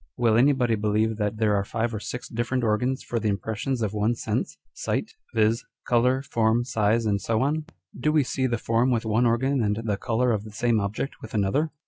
AVill anybody believe that On Dr. Spurzlieims Theory. 217 there are five or six different organs for the impressions of one sense (sight,) viz., colour, form, size, and so on? Do we see the form with one organ and the colour of the same object with another?